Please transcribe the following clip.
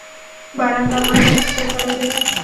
باران د افغان کلتور سره تړاو لري.